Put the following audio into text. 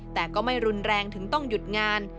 แต่ก็ไม่รุนแรงถึงต้องหยุดงาน